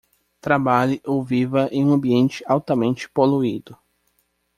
Trabalhe ou viva em um ambiente altamente poluído